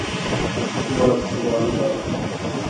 Ibyo wabisobanura ute?